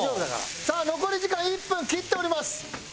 さあ残り時間１分切っております。